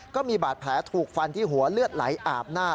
ก็มีบาดแผลถูกฟันที่หัวเลือดไหลอาบหน้า